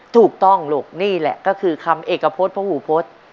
ถูกต้องลูกนี่แหละก็คือคำเอกพฤษพระหูพฤษ